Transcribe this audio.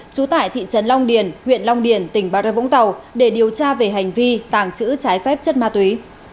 trú tại thị trấn long điền huyện long điền tỉnh bà rê vũng tàu để điều tra về hành vi tàng trữ trái phép chất ma túy